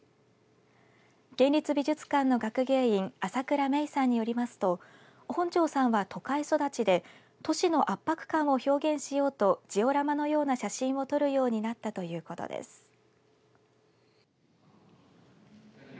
県立美術館の学芸員朝倉芽生さんによりますと本城さんは都会育ちで都市の圧迫感を表現しようとジオラマのような写真を撮るようになったということです。